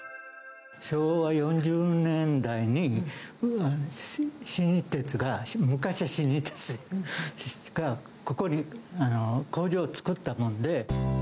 昭和４０年代に、新日鉄が、昔は新日鉄が、ここに工場を造ったもんで。